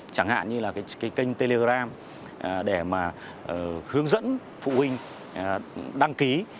chẳng hạn như là kênh telegram để hướng dẫn phụ huynh đăng ký